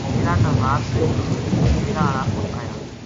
ڈیرا تا واز کری ڈیرا ہالا اُت آیا